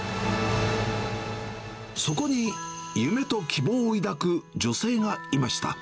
そこに夢と希望を抱く女性がいました。